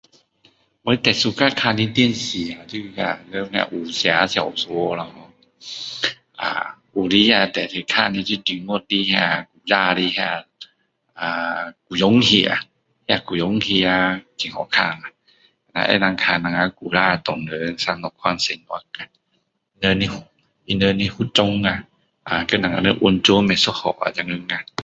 我最喜欢看的电视就是那个他们武侠小说咯啊有些中意看的就是中国的古早的古装戏啊那古装戏啊很好看啊能够看我们以前华人生怎样生活啊他们的服装啊跟我们的完全不一样啊现在啊